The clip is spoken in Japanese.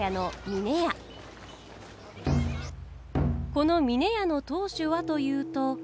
この峰屋の当主はというと。